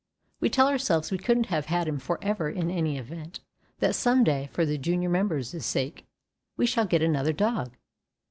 We tell ourselves we couldn't have had him for ever in any event; that some day, for the junior member's sake, we shall get another dog.